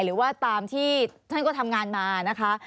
หรือว่าตามที่ท่านก็ทำงานมานะคะ